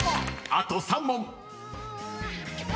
［あと２問！］